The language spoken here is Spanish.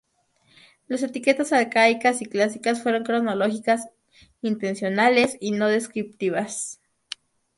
Las etiquetas arcaicas y clásicas fueron cronológicas intencionales y no descriptivas.